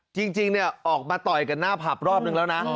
จริงเนี่ยออกมาต่อยกันหน้าผับรอบนึงแล้วนะ